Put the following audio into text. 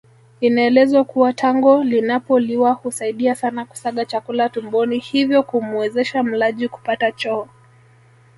Inaelezwa kuwa tango linapoliwa husaidia sana kusaga chakula tumboni hivyo kumuwezesha mlaji kupata choo